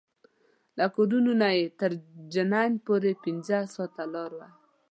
له کور نه یې تر جنین پورې پنځه ساعته لاره ده.